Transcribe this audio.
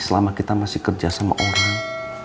selama kita masih kerja sama orang